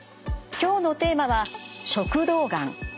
今日のテーマは食道がん。